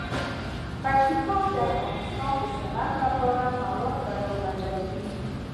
پکتیا د افغانستان د صنعت لپاره مواد برابروي.